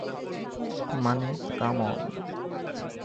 মানে, come on.